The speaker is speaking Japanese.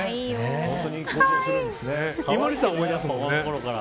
井森さん思い出すもんね。